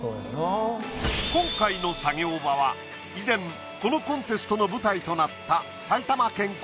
今回の作業場は以前このコンテストの舞台となった。